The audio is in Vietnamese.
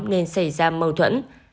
nên xảy ra mâu thuẫn